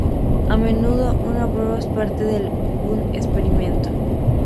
A menudo una prueba es parte de un experimento.